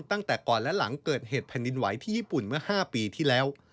ตั้งแต่ก่อนและหลังเกิดเหตุแผ่นดินไหวที่ญี่ปุ่นเมื่อ๕ปีที่แล้ว